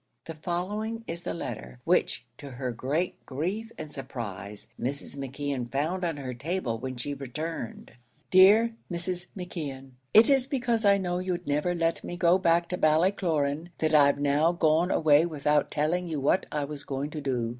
The following is the letter, which, to her great grief and surprise, Mrs. McKeon found on her table when she returned: DEAR MRS. McKEON, It is because I know you'd never let me go back to Ballycloran, that I've now gone away without telling you what I was going to do.